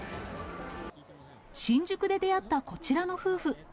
新宿で出会ったこちらの夫婦。